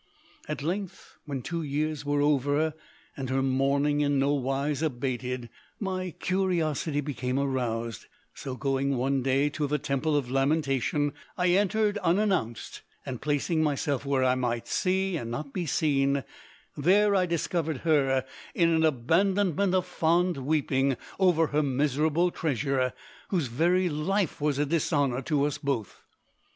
"At length, when two years were over and her mourning in no wise abated, my curiosity became aroused; so going one day to the Temple of Lamentation I entered unannounced, and placing myself where I might see and not be seen, there I discovered her in an abandonment of fond weeping over her miserable treasure whose very life was a dishonour to us both.